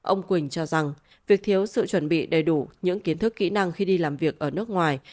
ông quỳnh cho rằng việc thiếu sự chuẩn bị đầy đủ những kiến thức kỹ năng khi đi làm việc ở nước ngoài